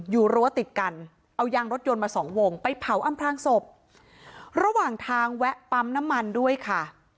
รั้วติดกันเอายางรถยนต์มาสองวงไปเผาอำพลางศพระหว่างทางแวะปั๊มน้ำมันด้วยค่ะ